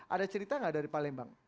ada cerita nggak dari palembang